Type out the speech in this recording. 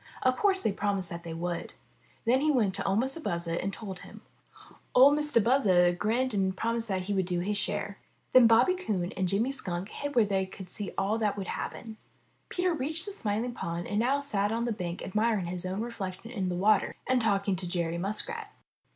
Of course they promised that they would. Then he went to 01' Mistah Buzzard and told him. Or Mistah Buzzard grinned and promised that he would do his share. Then Bobby Coon and Jimmy Skunk hid where they could see all that would happen. Peter reached the Smiling Pool and now sat on the bank admiring his own reflection in the water and talking to Jerry Muskrat.